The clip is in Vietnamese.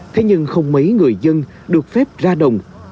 thế nhưng không mấy người dân được phép ra đồng